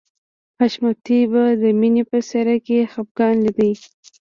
حشمتي به د مینې په څېره کې خفګان لیده